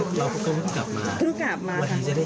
แล้วเราก็ก็กลับมา